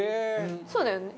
そうだよね？